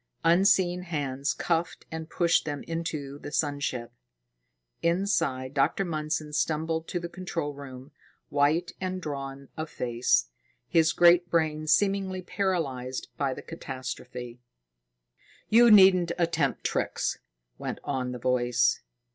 Unseen hands cuffed and pushed them into the sun ship. Inside, Dr. Mundson stumbled to the control room, white and drawn of face, his great brain seemingly paralyzed by the catastrophe. "You needn't attempt tricks," went on the voice.